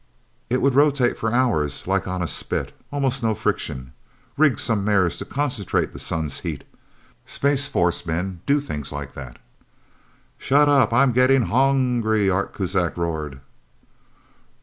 It would rotate for hours like on a spit almost no friction. Rig some mirrors to concentrate the sun's heat. Space Force men do things like that." "Shut up I'm getting hong gry!" Art Kuzak roared.